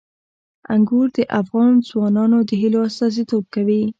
انګور د افغان ځوانانو د هیلو استازیتوب کوي.